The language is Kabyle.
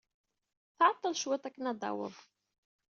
Tɛeḍḍel cwiṭ akken ad d-taweḍ.